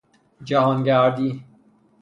جهانگردی